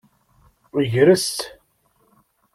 Gres.